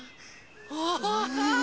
ああ。